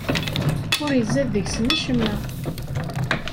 Ur izad deg-sen acemma.